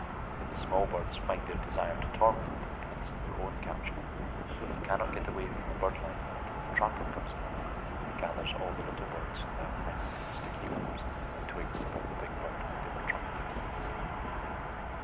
But the small birds find their desire to torment ends in their own capture, for they cannot get away from the bird lime until the trapper comes along and gathers all the little birds that are hanging to the sticky limbs and twigs about the big bird they were trying to tease.